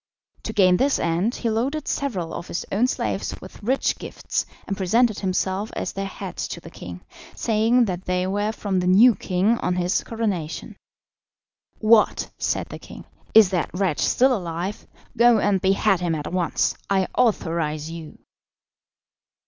To gain this end, he loaded several of his own slaves with rich gifts, and presented himself at their head to the king, saying that they were from the new king on his coronation. "What!" said the king; "is that wretch still alive? Go and behead him at once. I authorise you."